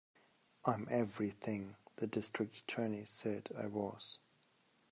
I'm everything the District Attorney said I was.